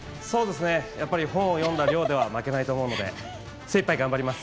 やっぱり本を読んだ量では負けないと思うので精いっぱい頑張ります。